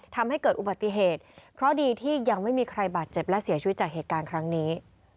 ทำให้เกิดอุบัติเหตุเพราะดีที่ยังไม่มีใครบาดเจ็บและเสียชีวิตจากเหตุการณ์ครั้งนี้